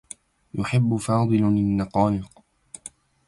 يحبّ فاضل النقانق.